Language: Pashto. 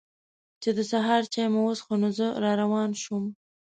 چې د سهار چای مو وڅښه نو زه را روان شوم.